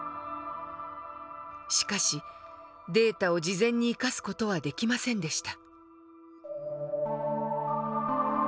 しかしデータを事前に生かす事はできませんでした。